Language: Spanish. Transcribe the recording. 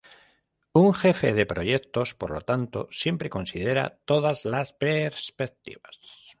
Un jefe de proyectos por lo tanto siempre considera todas las perspectivas.